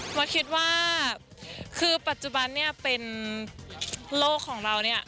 เพราะคิดว่าคือปัจจุบันเนี่ยเป็นโลกของเราเนี่ย